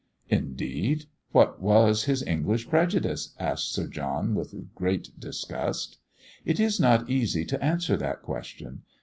"Indeed! What was his English prejudice?" asked Sir John with great disgust. "It is not easy to answer that question.